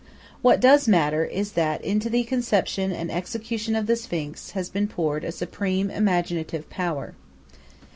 What does matter is that into the conception and execution of the Sphinx has been poured a supreme imaginative power.